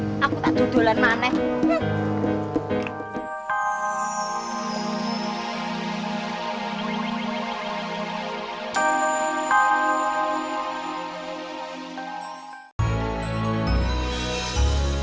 wih aku tak tuduh lelah emang aneh